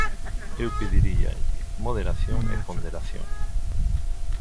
Eu pediríalle moderación e ponderación.